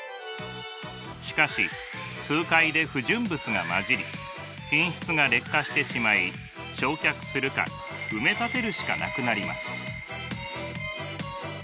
しかし数回で不純物が混じり品質が劣化してしまい焼却するか埋め立てるしかなくなります。